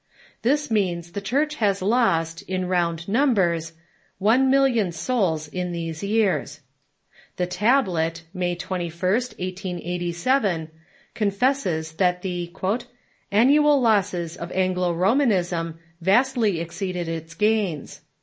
This means the Church has lost, in round numbers, one million souls in these years. The Tablet, May 21st, 1887, confesses that the " annual losses of Anglo Romanism vastly exceed its gains."